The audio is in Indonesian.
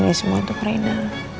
ini semua untuk perena